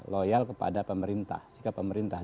loyal kepada pemerintah